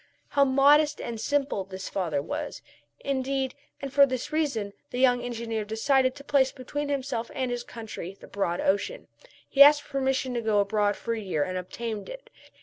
How modest and simple this father was, indeed. And for this reason the young engineer decided to place between himself and his country the broad ocean. He asked permission to go abroad for a year and obtained it.